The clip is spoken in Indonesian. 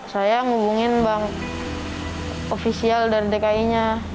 saya hubungin bank ofisial dari dki nya